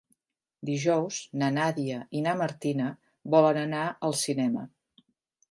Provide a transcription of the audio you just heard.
Dijous na Nàdia i na Martina volen anar al cinema.